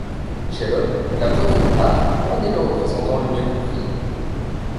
Chez l'homme, la protéine A en est le représentant le mieux compris.